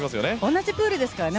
同じプールですからね。